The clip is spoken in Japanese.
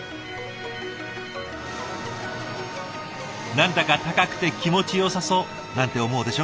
何だか高くて気持ちよさそうなんて思うでしょう？